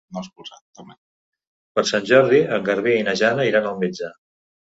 Per Sant Jordi en Garbí i na Jana iran al metge.